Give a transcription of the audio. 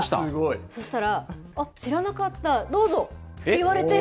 そうしたら、あっ、知らなかった、どうぞって言われて。